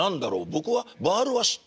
僕はバールは知っている。